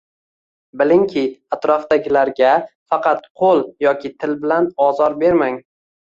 Bilingki, atrofdagilarga faqat qoʻl yoki til bilan ozor bermang.